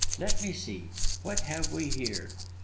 Let me see, what have we here?